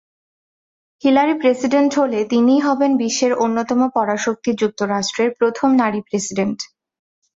Hillary president হলে তিনিই হবেন বিশ্বের অন্যতম পরাশক্তি যুক্তরাষ্ট্রের প্রথম নারী প্রেসিডেন্ট।